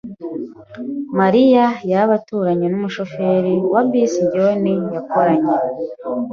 Mariya yaba aturanye numushoferi wa bisi John yakoranye?